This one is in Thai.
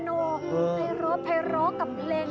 ด้านชั้นฉันเคยบอกล่ามรึยัง